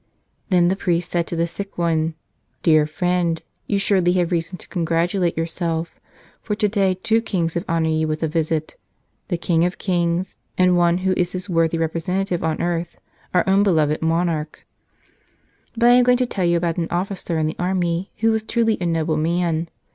Then the priest said to the sick one, "Dear friend, you surely have reason to congratulate your¬ self; for today two kings have honored you with a visit, the King of kings and one who is His worthy representative on earth, our own beloved monarch.'' But I am going to tell you about an officer in the army who was truly a noble man.